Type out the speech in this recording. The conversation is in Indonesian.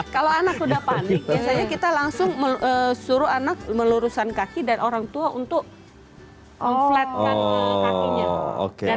kalau anak sudah panik biasanya kita langsung suruh anak meluruskan kaki dan orang tua untuk memfletkan kakinya